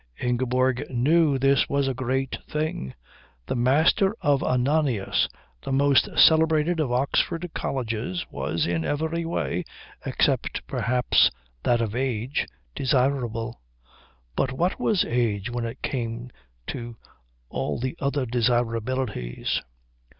Ingeborg knew this was a great thing. The Master of Ananias, the most celebrated of Oxford colleges, was in every way, except perhaps that of age, desirable; but what was age when it came to all the other desirabilities?